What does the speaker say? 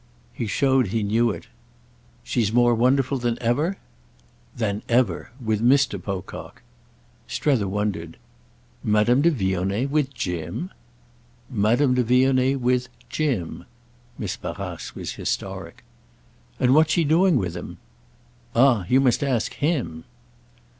He showed he knew it. "She's more wonderful than ever?" "Than ever. With Mr. Pocock." Strether wondered. "Madame de Vionnet—with Jim?" "Madame de Vionnet—with 'Jim.'" Miss Barrace was historic. "And what's she doing with him?" "Ah you must ask _him!